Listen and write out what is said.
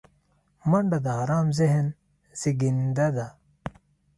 منډه د آرام ذهن زیږنده ده